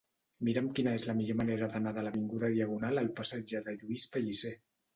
Mira'm quina és la millor manera d'anar de l'avinguda Diagonal al passatge de Lluís Pellicer.